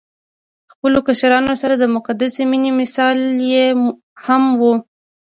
خپلو کشرانو سره د مقدسې مينې مثال يې هم نه وو